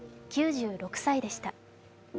９６歳でした。